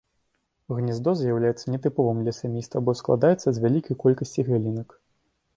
Гняздо з'яўляецца нетыповым для сямейства, бо складаецца з вялікай колькасці галінак.